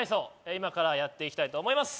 今からやっていきたいと思います